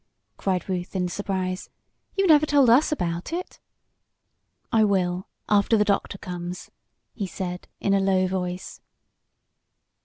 cried Ruth in surprise. "You never told us about it." "I will after the doctor comes," he said in a low voice.